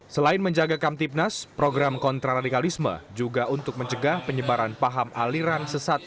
selain menjaga kamtipnas program kontraradikalisme juga untuk mencegah penyebaran paham aliran sesat